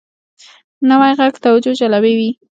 نوی غږ توجه جلبوي